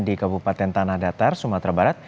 di kabupaten tanah datar sumatera barat